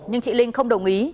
nhưng chị linh không đồng ý